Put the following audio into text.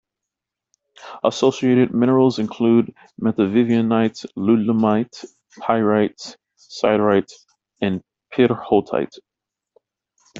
Associated minerals include metavivianite, ludlamite, pyrite, siderite and pyrrhotite.